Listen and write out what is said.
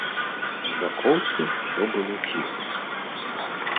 У бакоўцы ўсё было ціха.